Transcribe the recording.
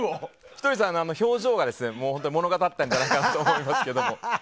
ひとりさんの表情が物語ってんじゃないかなと思いますが。